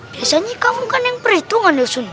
biasanya kamu kan yang perhitungan